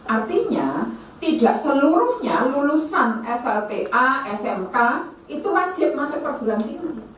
artinya tidak seluruhnya lulusan slta smk itu wajib masuk perguruan tinggi